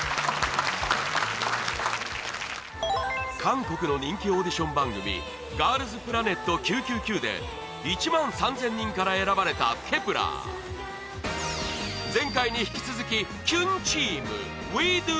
韓国の人気オーディション番組『ＧｉｒｌｓＰｌａｎｅｔ９９９』で１万３０００人から選ばれた Ｋｅｐ１ｅｒ前回に引き続きキュンチーム Ｗｅｄｏ！